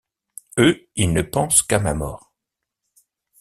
Eux, ils ne pensent qu’à ma mort.